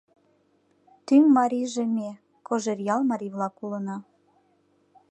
Тӱҥ марийже ме, Кожеръял марий-влак, улына.